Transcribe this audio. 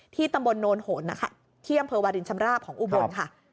ที่ตำบลโนนโหนนะค่ะเที่ยมเผอร์วาดินชำราบของอุบลค่ะ